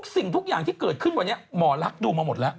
สิ่งทุกอย่างที่เกิดขึ้นวันนี้หมอลักษณ์ดูมาหมดแล้ว